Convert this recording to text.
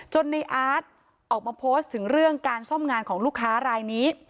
ในอาร์ตออกมาโพสต์ถึงเรื่องการซ่อมงานของลูกค้ารายนี้